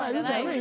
今。